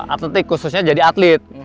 atletik khususnya jadi atlet